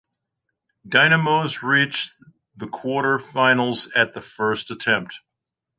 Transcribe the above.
Dynamos reached the quarter-finals at the first attempt.